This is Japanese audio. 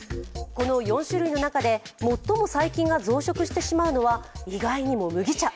この４種類の中で最も細菌が増殖してしまうのは、意外にも麦茶。